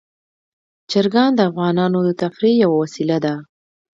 چرګان د افغانانو د تفریح یوه وسیله ده.